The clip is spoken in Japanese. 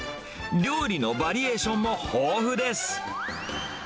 料理のバリエーションも豊富です。